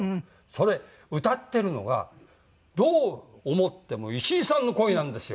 それ歌ってるのがどう思っても石井さんの声なんですよ！